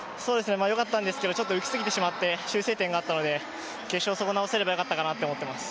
よかったんですけど、ちょっと浮きすぎてしまって修正点があったので決勝はそこを直せればよかったなと思います。